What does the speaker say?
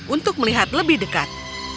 untuk melihat lebih dekat